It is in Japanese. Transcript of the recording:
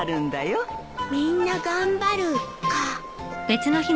みんな頑張るか。